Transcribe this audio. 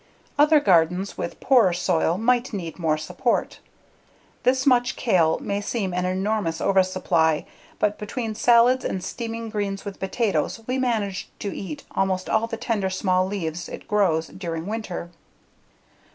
Other gardens with poorer soil might need more support. This much kale may seem an enormous oversupply, but between salads and steaming greens with potatoes we manage to eat almost all the tender small leaves it grows during winter.